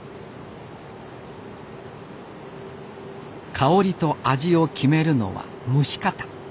香りと味を決めるのは蒸し方。